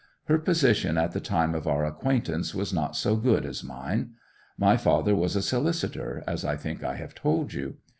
Her position at the time of our acquaintance was not so good as mine. My father was a solicitor, as I think I have told you.